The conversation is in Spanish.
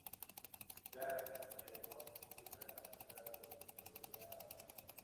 Jake y Elwood empiezan a buscar a los miembros de la banda.